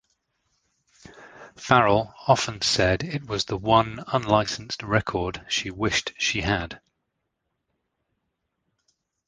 Farrell often said it was the one unlicensed record she wished she had.